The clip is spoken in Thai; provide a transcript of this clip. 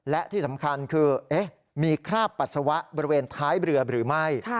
และที่สำคัญคือมีคราบปัสสาวะบริเวณท้ายเรือหรือไม่